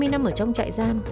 hai mươi năm ở trong trại giam